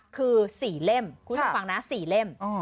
คือ๔เล่ม